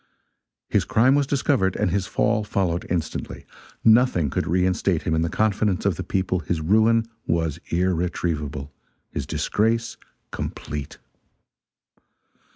His crime was discovered, and his fall followed instantly. Nothing could reinstate him in the confidence of the people, his ruin was irretrievable his disgrace complete.